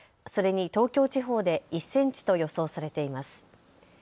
それに東京地方で１センチと予想されています。